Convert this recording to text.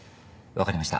分かりました。